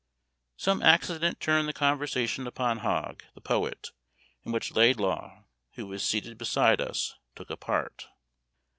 Some accident turned the conversation upon Hogg, the poet, in which Laidlaw, who was seated beside us, took a part.